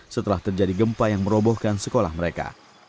setelah terjadi gempa yang merobohkan sekolah mereka